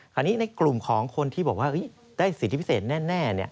ในกลุ่มของคนที่บอกว่าได้สิทธิพิเศษแน่